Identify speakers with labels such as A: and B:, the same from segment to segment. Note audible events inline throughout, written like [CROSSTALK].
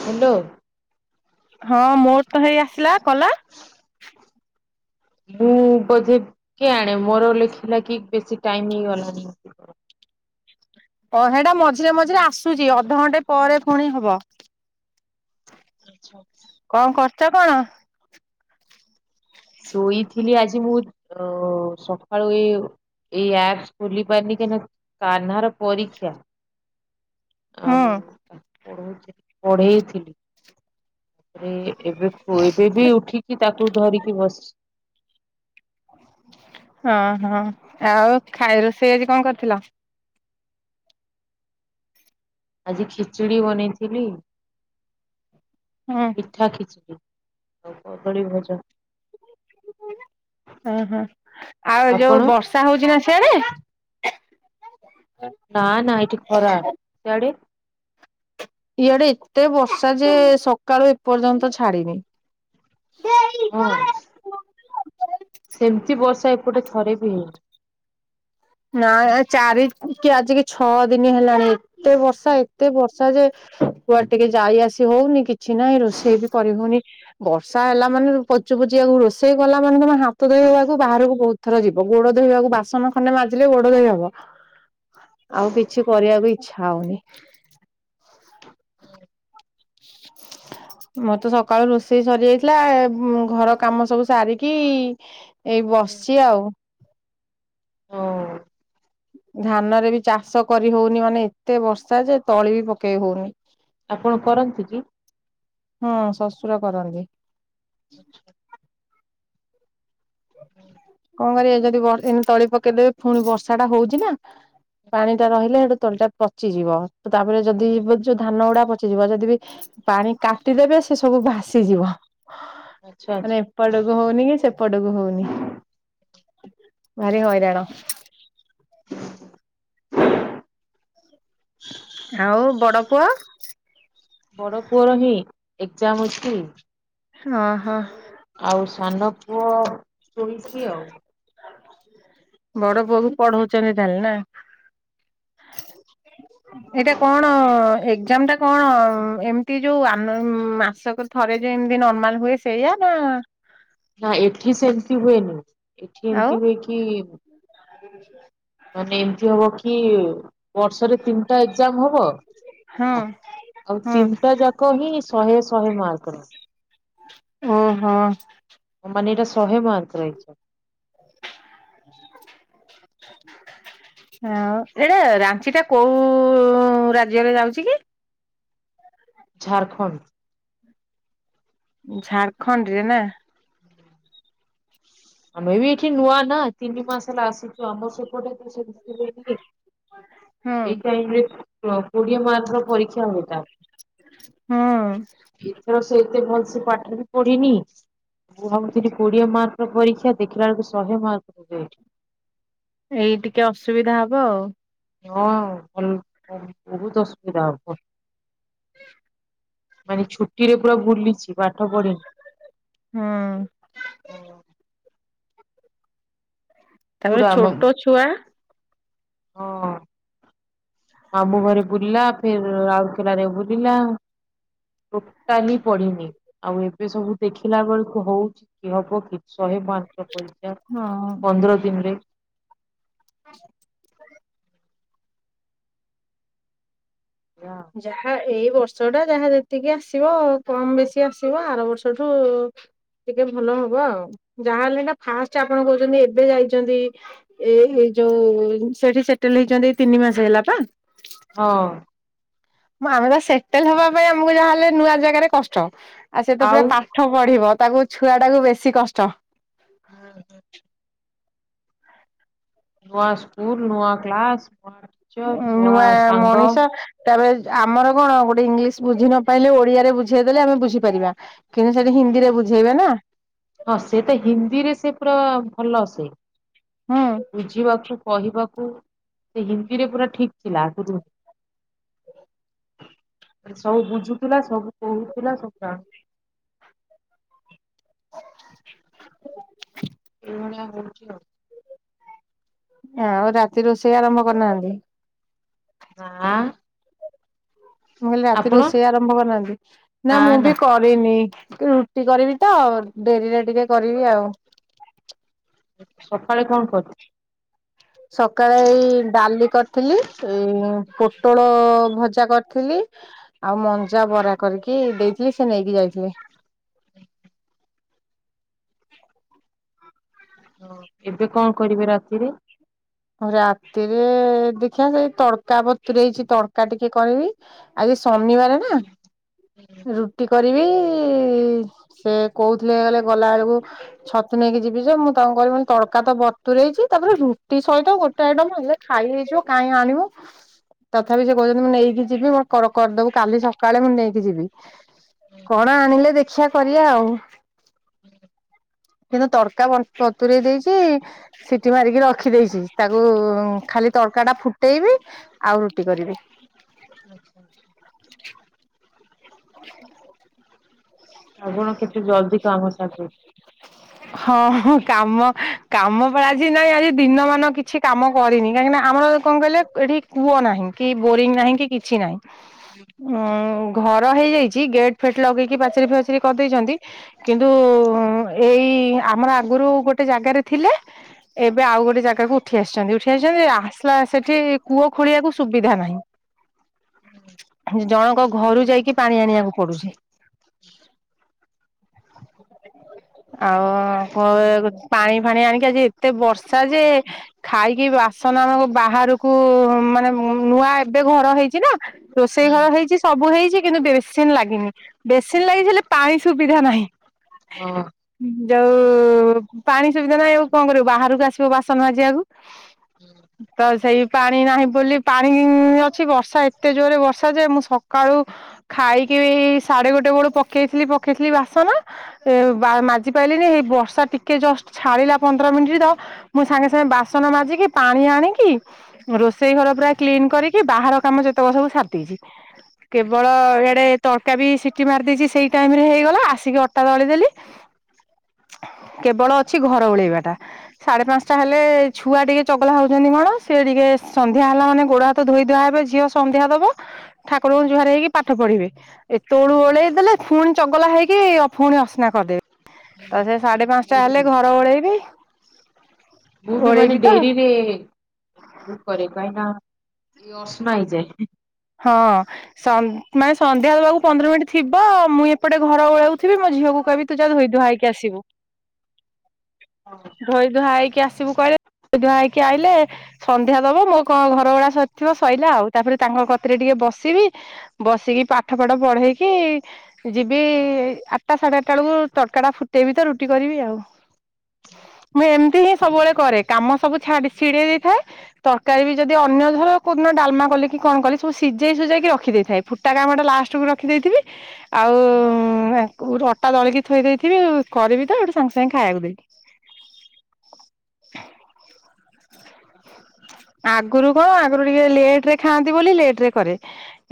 A: Hello.
B: ହଁ ମୋର ତ ହେଇ ଆସିଲା କଲା।
A: ମୁଁ ବୋଧେ କେଆଣି ମୋର ଲେଖିଲା କି ବେଶୀ ଟାଇମ ହେଇଗଲାଣି।
B: ଓ ହେଟା ମଝିରେ ମଝିରେ ଆସୁଛି ଅଧଘଣ୍ଟେ ପରେ ପୁଣି ହବ।
A: ଆଚ୍ଛା।
B: କଁ କରୁଚ କଣ?
A: ଶୋଇଥିଲି ଆଜି ମୁତ୍। ଓ ସକାଳୁ ଏ ଏଇ ଆପସ୍ ଖୁଲି ପାରନି କେ ନ କାହ୍ନା ର ପରୀକ୍ଷା। ଆଉ
B: ହୁଁ
A: ପଢଉଥିଲି ପଢେଇଥିଲି। ରେ ଏବେ ଏବେ ବି ଉଠିକି ତାକୁ ଧରିକି ବସଛି।
B: ହଁ ହଁ ଆଉ ଖାଇ ରୋଷେଇ ଆଜି କଣ କରିଥିଲ?
A: ଆଜି ଖିଚଡି ବନେଇଥିଲି।
B: ହଁ।
A: ମିଠା ଖିଚଡ଼ିି ଆଉ କଦଳୀ ଭଜା।
B: ଅଁ ହ ଆଉ
A: ଆପଣ
B: ଯୋଉ ବର୍ଷା ହଉଚି ନା ସିଆଡେ।
A: ନା ନା ଏଠି ଖରା ସିଆଡେ?
B: ଇଆଡେ ଏତେ ବର୍ଷା ଯେ ସକାଳୁ ଏପର୍ଯ୍ୟନ୍ତ ଛାଡିନି।
A: ହଁ ସେମତି ବର୍ଷା ଏପଟେ ଥରେ ବି ହେଇନି।
B: ନା ଚାରି କି ଆଜିିକି ଛଅ ଦିନି ହେଲାଣି ଏତେ ବର୍ଷା ଏତେ ବର୍ଷା ଯେ କୁଆଡେ ଟିକେ ଯାଇ ଆସି ହଉନି କିଛି ନାହିଁ ରୋଷେଇ ବି କରି ହଉନି। ବର୍ଷା ହେଲା ମାନେ ପଚୁ ପୁଚିିଆକୁ ରୋଷେଇ କଲା ମାନେ ତମେ ହାତ ଧୋଇବାକୁ ବାହାରକୁ ବୋହୁତ୍ ଥର ଯିବ ଗୋଡ ଧୋଇବାକୁ ବାସନ ଖଣ୍ଡେ ମାଜ୍ ଥିଲେ ଗୋଡ ଧୋଇ ହବ ଆଉ କିଛି କରିବାକୁ ଇଚ୍ଛା ହଉନି। [INAUDIBLE] ମତେ ସକାଳୁ ରୋଷେଇ ସରି ଯାଇଥିଲା। ଘର କାମ ସବୁ ସାରିକି ଏଇ ବସଚି ଆଉ।
A: ହଁ
B: ଧାନରେ ବି ଚାଷ କରି ହଉନି ମାନେ ଏତେ ବର୍ଷା ଯେ ତଳି ବି ପକେଇ ହୋଉନି।
A: ଆପଣ କରନ୍ତି କି?
B: ହଁ ଶ୍ୱଶୁର କରନ୍ତି।
A: ଆଚ୍ଛା।
B: ହଁ ରେ ଯଦି ବ ଏମ୍ ତଳି ପକେଇଦେବେ ପୁଣି ବର୍ଷା ଟା ହଉଚି ନା। ପାଣି ଟା ରହିଲେ ସେ ତଳିଟା ପଚିଯିବ ତ ତାପରେ ଯଦି ଯୋଉ ଧାନ ଗୁଡା ପଚିଯିବ। ଯଦି ବି ପାଣି କାଟିଦେବେ ସେ ସବୁ ଭାସିଯିବ
A: ଆଚ୍ଛା ଆଚ୍ଛା
B: ମାନେ ଏପଟକୁ ହଉନି କି ସେପଟ ଡକୁ ହଉନି। ଭାରି ହଇରାଣ।
A: ହ
B: ଆଉ ବଡ ପୁଅ?
A: ବଡ ପୁଅର ହିଁ ଏକ୍ଜାମ୍ ଅଛି।
B: ଅଁ ହ।
A: ଆଉ ସାନ ପୁଅ ଶୋଇଚି ଆଉ।
B: ହ ବଡ ପୁଅକୁ ପଢଉଚନ୍ତି ତାହଲେ ନା? ଏଇଟା କଣ ଏକ୍ଜାମ୍ ଟା କଣ ଏମତି ଯୋଉ ଆମ ମାସକରେ ଥରେ ଯେମତି ନର୍ମାଲ ହୁଏ ସେଇଆ ନା?
A: ନା ଏଠି ସେମତି ହୁଏନି ଏଠି ଏମତି ହୁଏ କି?
B: ଆ
A: ମାନେ ଏମତି ହବ କି ବର୍ଷରେ ତିନିଟା ଏକ୍ଜାମ୍ ହବ।
B: ହଁ
A: ହେଲା ଆଉ
B: ହଁ
A: ତିନିଟା ଯାକ ହିଁ ଶହେ ଶହେ ମାର୍କର।
B: ଓହ।
A: ମାନେ ଏଇଟା ଶହେ ମାର୍କ ରହିଚ।
B: ହଁ ଏଇଟା ରାଞ୍ଚି ଟା କୋଉ ରାଜ୍ୟରେ ଯାଉଚି କି?
A: ଝାରଖଣ୍ଡ୍।
B: ଝାଡ଼ଖଣ୍ଡ ରେ ନା?
A: ଆମେ ବି ଏଠି ନୂଆ ନା ତିନି ମାସ ହେଲା ଆସିଛୁ ଆମର ସେପଟେ [UNINTELLIGIBLE]
B: ହୁଁ।
A: ଏ ଟାଇମରେ କୋଡିଏ ମାତ୍ର ପରୀକ୍ଷା ହୋଇଥାଏ।
B: ହଁ।
A: ଏଥର ସେ ଏତେ ଭଲସ ପାଠ ବି ପଢିନି ମୁଁ ଭାବୁଥିଲି କୋଡିଏ ମାର୍କର ପରୀକ୍ଷା ଦେ୍ା ଦେଖିଲା ବେଳକୁ ଶହେ ମାର୍କ ଦେ
B: ଏଇ ଟିକେ ଅସୁବିଧା ହବ ଆଉ।
A: ହଁ ଭଲ ବହୁତ ଅସୁବିଧା [UNINTELLIGIBLE] ମାନେ ଛୁଟି ରେ ପୁରା ବୁଲିଛି ପାଠ ପଢିନି।
B: ହଁ। ତାପର
A: ପୁରା ମ
B: ଛୋଟ ଛୁଆ।
A: ହଁ। ମାମୁଁ ଘରେ ବୁଲିଲା ଫେର ରାଉରକେଲ ରେ ବୁଲିଲା। ଟୋଟାଲି ପଢିନି ଆଉ ଏବେ ସବୁ ଦେଖିଲା ବେଳକୁ ହଉଛି କି ହବ କି? ଶହେ ମାର୍କର ଏକଯାମ
B: ହଁ।
A: ପନ୍ଦର ଦିନରେ
B: [UNINTELLIGIBLE] ଯାହା ଏଇ ବର୍ଷ ଟା ଯାହା ଯେତିକି ଆସିବ କମ ବେଶୀ ଆସିବ ଆର ବର୍ଷଠୁ ଟିକେ ଭଲ ହବ ଆଉ। ଯାହାହଲେ ନା ଫାଷ୍ଟ ଆପଣ କହୁଛନ୍ତି ଏବେ ଯାଇଛନ୍ତି। ଏଇଇ ଯୋଉ ସେଠି ସେଟେଲ ହେଇଛନ୍ତି ଏ ତିନି ମାସ ହେଲା ବା।
A: ହଁ।
B: ଆମେ ତ ସେଟଲ ହବା ପାଇଁ ଆମକୁ ଯାହାହେଲେ ନୂଆ ଜାଗାରେ କଷ୍ଟ। ଆଉ ସେଟ
A: ଆଉ
B: ପୁରା
A: ହୁଁ
B: ପାଠ ପଢିବ ତାକୁ ଛୁଆ ଟାକୁ ବେଶୀ କଷ୍ଟ।
A: ହୁଁ ହୁଁ। ନୂଆ ସ୍କୁଲ ନୂଆ କ୍ଲାସ ନୂଆ ଟିଚର୍ ନୂଆ ସାଙ୍ଗ।
B: ତାପରେ ଯେ ଆମର କଣ ଗୋଟେ ଇଂଲିଶ ବୁଝି ନପାଇଲେ ଓଡିଆରେ ବୁଝେଇଦେଲେ ଆମେ ବୁଝିପାରିବା। କିନ୍ତୁ ସେଠି ହିନ୍ଦୀରେ ବୁଝେଇବେ ନା।
A: ହଁ ସେ ତ ହିନ୍ଦୀରେ ସେ ପୁରା ଭଲ ସେ।
B: ହଁ।
A: ବୁଝିବାକୁ କହିବାକୁ ସେ ହିନ୍ଦୀରେ ପୁରା ଠିକ୍ ଥିଲା ଆଗରୁ।
B: [INAUDIBLE]
A: ସବୁ ବୁଝୁଥିଲା ସବୁ କହୁଥିଲା ସବୁ ଜାଣୁ ଏଇଭଳିଆ ହଉଚି ଆଉ।
B: ଆଉ ରାତି ରୋଷେଇ ଆରମ୍ଭ କରିନାହାନ୍ତି?
A: ନାଁ।
B: ମୁଁ କଇଲି ରାତି ରୋଷେଇ ଆରମ୍ଭ କରିନାହାନ୍ତି ନା ମୁଁ ବି କ ରିନି ରୁଟି କରିବି ତ ଡେରିରେ ଟିକେ କରିବି ଆଉ‌।
A: ଏ ସକାଳେ କଣ [UNINTELLIGIBLE]
B: ସକାଳେ ଏଇ ଡାଲି କରିଥିଲି ଏଇ ପୋଟଳ ଭଜା କରିଥିଲି। ଆଉ ମଞ୍ଜା ବରା କରିକି ଦେଇଥିଲି ସେ ନେଇକି ଯାଇଥିଲେ।
A: ଏବେ କଣ କରିବେ ରାତିରେ?
B: ରାତିରେ ଦେଖିଆ ସେଇ ତଡକା ବତୁରେଇଛି ତଡକା ଟିକେ କରିବି। ଆଜି ସନିବାରେ ନା ରୁ ଟି କରିବି ସେ କହୁଥିଲେ କହୁଥିଲେ ଗଲା ବେଳକୁ ଛତୁ ନେଇକି ଯିବି ଯେ ମୁଁ ତାଙ୍କୁ କହିଲି ତଡକା ତ ବତୁରେଇଚି ତାପରେ ରୁ ଟି ସହିତ ଗୋଟେ ଆଇଟମ ହେଲେ ଖାଇ ହେଇଯିବ କାଇଁ ଆଣିବ। ତଥାପି ସେ କହୁଛନ୍ତି ମୁଁ ନେଇକି ଯିବି ମୋ କର କରଦବୁ କାଲି ସକାଳେ ମୁଁ ନେଇକି ଯିବି। କଣ ଆଣିଲେ ଦେଖିଆ କରିବା ଆଉ‌। ‌‌ କିନ୍ତୁ ତଡକା ବନ୍ ପତୁରେଇ ଦେଇଚି ସିଠି ମାରିକି ର ଖିଦେଇଚି ତାକୁ ଖାଲି ତଡ଼କା ଟା ଫୁଟେଇବି ଆଉ ରୁଟି କରିବି।
A: ଆଚ୍ଛା ଆଚ୍ଛା।
B: [INAUDIBLE]
A: ଆପଣ କେତେ ଜଲ୍ଦି କାମ ସାରିଦଉଚ
B: ହଁ ହଁ କାମ କାମପା ଆଜି ନାଇଁ ଆଜି ଦିନ ମାନ କିଛି କାମ କରିନି କାହିଁକିନା ଆମର କଣ କଇଲେ ଏଠି କୂଅ ନାହିଁକି ବୋରିଂ ନାହିଁକି କିଛି ନାହିଁ। ଉଁ ଘର ହେଇଯାଇଛି ଗେଟ୍ ଫେଟ୍ ଲଗେଇକି ପାଚେରୀ ଫାଚେରୀ କରିଦେଇଚନ୍ତି। କିନ୍ତୁ ଏଇ ଆମର ଆଗରୁ ଗୋଟେ ଜାଗାରେ ଥିଲେ। ଏବେ ଆଉ ଗୋଟେ ଜାଗାକୁ ଉଠି ଆସିଛନ୍ତି ଉଠି ଆସିଚନ୍ତି ଆସିଲା ସେଠି କୂଅ ଖୋଳିବାକୁ ସୁବିଧା ନାହିଁ। ହୁଁ ଜଣଙ୍କ ଘରୁ ଯାଇକି ପାଣି ଆଣିବାକୁ ପଡ଼ୁଚି। ଆଉ [UNINTELLIGIBLE] ପାଣିଫାଣି ଆଣିକି ଆଜି ଏତେ ବର୍ଷା ଯେ ଖାଇକି ବାସନ ଆମକୁ ବାହାରକୁ ମାନେ ନୂଆ ଏବେ ଘର ହେଇଚିନା ରୋଷେଇ ଘର ହେଇଚି ସବୁ ହେଇଚି କିନ୍ତୁ ବେସିନ୍ ଲାଗିନି ବେସିନ୍ ଲାଗିଥିଲେ ପାଣି ସୁବିଧା ନାହିଁ।
A: ହଁ।
B: ଯୋଉ ପାଣି ସୁବିଧା ନାହିଁ ଆଉ କଣ କରିବୁ ବାହାରକୁ ଆସିବ ବାସନ ମାଯିବାକୁ‌‌।
A: ହୁଁ।
B: ତସେଇ ପାଣି ନାହିଁ ବୋଲି ପାଣି ଅଛି ବର୍ଷା ଏତେ ଜୋରେ ବର୍ଷାଯେ ମୁସକାଳୁ ଖାଇକିବି ସାଢେଗୋଟେ ବେଳୁ ପକେଇଥିଲି ପକେଇଥିଲି ବାସନା ଏ ବା ମାଜି ପାଇଲିନି ଏଇ ବର୍ଷା ଟିକେ ଜଷ୍ଟ ଛାଡିଲା ପନ୍ଦର ମିନିଟ୍ ତ ମୁଁ ସାଙ୍ଗେ ସାଙ୍ଗେ ବାସନ ମାଜିକି ପାଣି ଆଣିକି ରୋଷେଇ ଘର ପୁରା କ୍ଲିନ୍ କରିକି ବାହାର କାମ ଯେତେକ ସବୁ ସାରିଦେଇଚି। କେବଳ ଇଆଡ଼େ ତଡ଼କାବି ସିଟି ମାରି ଦେଇଚି ସେଇ ଟାଇମରେ ହେଇଗଲା ଆସିକି ଅଟା ଦଳିଦେଲି। କେବଳ ଅଛି ଘର ଓଳେଇବାଟା। ସାଢ଼େ ପାଞ୍ଚଟା ହେଲେ ଛୁଆ ଟିକେ ଚଗଲା ହେଉଛନ୍ତି କଣ ସିଏ ଟିକେ ସନ୍ଧ୍ୟା ହେଲା ମାନେ ଗୋଡ଼ ହାତ ତ ଧୋଇ ଧୁଆ ହେବେ ଝିଅ ସନ୍ଧ୍ୟା ଦବ ଠାକୁରଙ୍କୁ ଯୁହାର ହେଇକି ପାଠ ପଢିବେ। ଏତୋଳୁ ଓଳେଇ ଦେଲେ ପୁଣି ଚଗଲା ହେଇକି ପୁଣି ଅସିନା କରିଦେବି ତସେ ସାଢେ
A: ହୁଁ,
B: ପାଞ୍ଚଟା
A: ମୁଁ ବି
B: ହେଲେ ଘର ଓଳେଇବି।
A: ମୁଁବି ମାନେ
B: ଓଳେଇବି ତ
A: ଡେରିରେ ଝାଡ଼ୁ କରେ କାହିଁକିନା ଏଅସନା ହେଇଯାଏ।
B: ହଁ। ସ ମାନେ ସନ୍ଧ୍ୟା ଦେବାକୁ ପନ୍ଦର ମିନିଟ୍ ଥିବ ମୁଁ ଏପଟେ ଘର ଓଳୋଉଥିବି ମୋ ଝିଅକୁ କହିବି ତୁଜା ଧୋଇଦୁଆ ହେଇକି ଆସିବୁ।
A: ହଁ।
B: ଧୋଇ ଧୁଆହେଇକି ଆସିବୁ କହିଲେ ଧୋଇ ଧୁଆ ହେଇକି ଆଇଲେ ସନ୍ଧ୍ୟା ଦବ ମୋ କଣ ଘର ଓଳା ସରିଥିବ ସୋଇଲା ଆଉ ତାପରେ ତାଙ୍କ କତିରେ ଟିକେ ବସିବି ବସିକି ପାଠ ଫାଠ ପଢେଇକି ଯିବି ଆଠଟା ସାଢ଼େ ଆଠଟା ବେଳକୁ ତଡ଼କାଟା ଫୁଟେଇବିତ ରୁଟି କରିବି ଆଉ। ମୁଁ ଏମିତିହିଁ ସବୁବେଳେ କରେ କାମ ସବୁ ଛାଡ଼ି ଚିଡ଼େଇ ଦେଇଥାଏ ତରକାରୀବି ଯଦି ଅନ୍ୟ ଧର କୋଉଦିନ ଡ଼ାଲମା କଲି କି କଣ କଲି ସବୁ ସିଝେଇ ସୁଜାକିରଖି ଦେଇଥାଏ ଫୁଟା କାମଟା ଲାଷ୍ଟକୁ ରଖିଦେଇଥିବି ଆଉ [UNINTELLIGIBLE] ଅଟା ଦଳିକି ଥୋଇ ଦେଇଥିବି କରିବିତ ହେଟୁ ସାଙ୍ଗେ ସାଙ୍ଗେ ଖାଇବାକୁ ଦେବି। ଆଗରୁ କଣ ଆଗରୁ ଟିକେ ଲେଟରେ ଖାଆନ୍ତି ବୋଲି ଲେଟରେ କରେ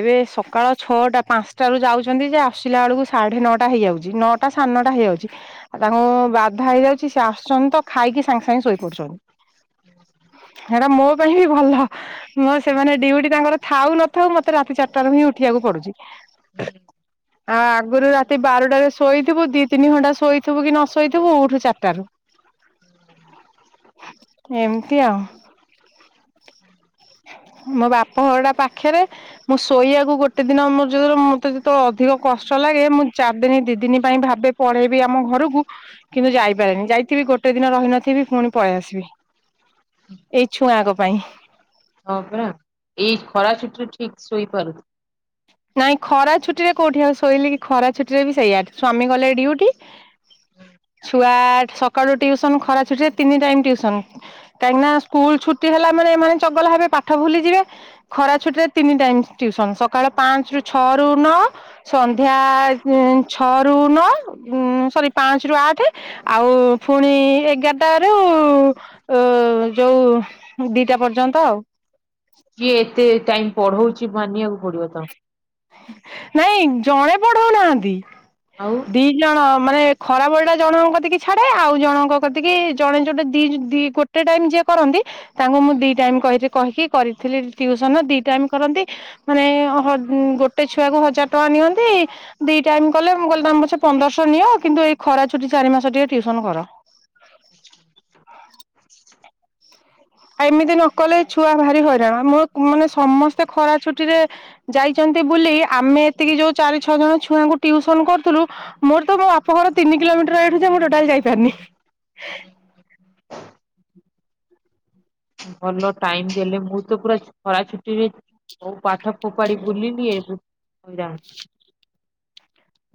B: ଏବେ ସକାଳ ଛଅଟା ପାଞ୍ଚଟାରୁ ଯାଉଚନ୍ତିଯେ ଆସିଲା ବେଳକୁ ସାଢେ ନଅଟା ହେଇଯାଉଚି ନଅ ଟା ସାନଟା ହେଇଯାଉଚି ଆଉ ତାଙ୍କୁ ବାଧା ହେଇଯାଉଚି ସେଆସୁଚନ୍ତିତ ଖାଇକି ସାଙ୍ଗେ ସାଙ୍ଗେ ଶୋଇପଡ଼ୁଚନ୍ତି। ସେଇଟା ମୋ ପାଇଁହି ଭଲ। ମଁ ସେମାନେ
A: ହୁଁ,
B: ଡଉଟି ତାଙ୍କର ଥାଉ ନଥାଉ ମତେ ରାତି ଚାରିଟାରୁହିଁ ଉଠିବାକୁ ପଡ଼ୁଚି।
A: ହୁଁ।
B: ଆଉ ଆଗରୁ ରାତି ବାରଟାରେ ଶୋଇଥିବୁ ଦିତିନି ଘଣ୍ଟା ଶୋଇଥିବୁକି ନଶୋଇଥିବୁ ଉଠୁ ଚାରିଟାରୁ। ଏମିତି ଆଉ। ମୋ ବାପ ଘରଟା ପାଖେରେ ମୁଁ ଶୋଇବାକୁ ଗୋଟେ ଦିନ ମୋର ଯେତେଳେ ମତେ ଯେତେବେଳେ ଅଧିକ କଷ୍ଟ ଲାଗେ ମୁଁ ଚାରିଦିନି ଦିଦିନି ପାଇଁ ଭାବେ ପଳେଇବି ଆମ ଘରକୁ କିନ୍ତୁ ଯାଇପାରେନି ଯାଇଥିବି ଗୋଟେ ଦିନ ରହିନଥିବି ପୁଣି ପଳେଇ ଆସିବି। ଏଇ ଛୁଆଙ୍କ ପାଇଁ।
A: ହଁ ପା ଏଇ ଖରା ଛୁଟିରେ ଠିକ୍ ଶୋଇପାରୁନି।
B: ନାଇଁ ଖରା ଛୁଟି ରେ କଉଠି ଆଉ ଶୋଇଲେ କି ଖରା ଛୁଟିରେ ବି ସେଇଆ ସ୍ଵାମୀ ଗଲେ ଡିଉଟି ଛୁଆ ସକାଳୁ ଟ୍ୟୁସନ୍ ଖରା ଛୁଟିରେ ତିନି ଟାଇମ୍ ଟିଉସନ୍। କାହିଁକି ନା ସ୍କୁଲ ଛୁଟି ହେଲା ମାନେ ଏମାନେ ଚଗଲା ହେବେ ପାଠ ଭୁଲିଯିବେ। ଖରା ଛୁଟି ରେ ତିନି ଟାଇମ୍ ଟ୍ୟୁସନ୍ ସକାଳ ପାଞ୍ଚ୍ ରୁ ଛଅ ରୁ ନଅ ସନ୍ଧ୍ୟା ଛଅରୁୁ ନଅ ଉଁ-ସରି ପାଞ୍ଚ ରୁ ଆଠେ ଆଉ ଫୁଣି ଏଗାର୍ ଟା ରୁ ଉ- ଯଉ ଦିଟା ପର୍ଯ୍ୟନ୍ତ ଆଉ।
A: କିଏ ଏତେ ଟାଇମ୍ ପଢଉଚି ମାନିବାକୁ ପଡିବ ତାକୁ।
B: ନାଇଁ ଜଣେ ପଢଉ ନାହାଁନ୍ତି
A: ଆଉ?
B: ଦି ଜଣ ମାନେ ଖରା ବଳି ଟା ଜଣଙ୍କ କତିକି ଛାଡେ ଆଉ ଜଣଙ୍କ କତିକି ଜଣେ ଯଉଟେ ଦି-ଦି ଗୋ ଟେ ଟାଇମ୍ ଯା କରନ୍ତି ତାଙ୍କୁ ମୁଁ ଦି ଟାଇମି କହିକି କରିଥିଲି ଟିଉସନ୍ ଦି ଟାଇମ୍ କରନ୍ତି ମାନେ ଅ-ଗୋଟେ ଛୁଆକୁ ହଜାର୍ ଟଙ୍କା ନିଅନ୍ତି ଦି ଟାଇମ୍ କଲେ ମୁଁ କହିଲି ତମ ପଛେ ପନ୍ଦରଶ୍ ନିଅ କିନ୍ତୁ ଏଇ ଖରା ଛୁଟି ଚାରି ମାସ ଟିକେ ଟିଉସନ କର।
A: [INAUDIBLE]
B: ଆଉ ଏମିତି ନ କଲେ ଛୁଆ ଭାରି ହଇରାଣ ମୋର ମାନେ ସମସ୍ତେ ଖରା ଛୁଟିରେ ଯାଇଚନ୍ତି ବୁଲି ଆମେ ଏତିକି ଯଉ ଚାରି ଛଅ ଜଣ ଛୁଆଙ୍କୁ ଟିଉସନ କରୁଥିଲୁ ମୋର ତୋ ମୋ ବାପ ଘର ତିନି କିଲୋମିଟର ଏଇଠୁ ଯେ ମୁଁ ଟୋଟାଲେ ଯାଇପାରୁନି।
A: ଭଲ ଟାଇମ୍ ଦେଲେ ମୁଁ ତ ପୁରା ଖରା ଛୁଟିରେ ହଉ ପାଠ ଫୋପାଡି ବୁଲିିଲି ଏବେ ଜା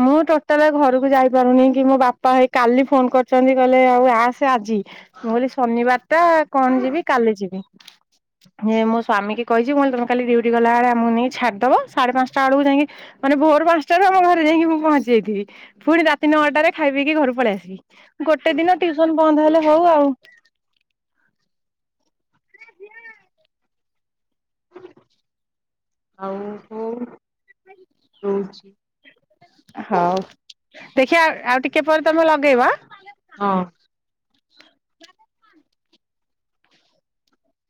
B: ମୁଁ ଟୋଟାଲେ ଘରକୁ ଯାଇପାରୁନି କି ମୋ ବାପା ଭାଇ କାଲି ଫୋନ୍ କରିଚନ୍ତି କହିଲେ ଆଉ ଆସେ ଆଜି। ମୁଁ କହିଲି ଶନିବାର୍ ଟା କଣ ଯିବି କାଲି ଯିବି। ହିଁ ମୋ ସ୍ୱାମୀ କହିଚି ମୁଁ କହିଲି ତମେ କାଲି ଡିଉଟି ଗଲାବେଳେ ଆମକୁ ନେଇ ଛାଡ଼ିଦବ ସାଢ଼େ ପାଞ୍ଚଟା ବେଳକୁ ଯାଇକି ମାନେ ଭୋରୁ ପାଞ୍ଚଟାରୁ ଆମ ଘରେ ଯାଇକି ମୁଁ ପହଞ୍ଚି ଯାଇଥିବି ପୁଣି ରାତି ନଅଟାରେ ଖାଇ ପିଇକି ଘରୁ ପଳେଇ ଆସିବି। ଗୋଟେ ଦିନ ଟିଉସନ୍ ବନ୍ଦ୍ ହେଲେ ହଉ ଆଉ।
A: ଆଉ କଣ ରହୁଚି।
B: ହଉ ଦେଖିବା ଆଉ ଟିକେ ପରେ ତମେ ଲଗେଇବ ଆଁ।
A: ହଁ।